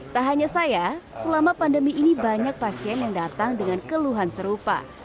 tak hanya saya selama pandemi ini banyak pasien yang datang dengan keluhan serupa